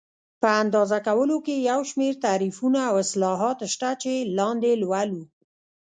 په اندازه کولو کې یو شمېر تعریفونه او اصلاحات شته چې لاندې یې لولو.